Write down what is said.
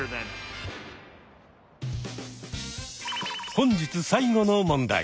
本日最後の問題。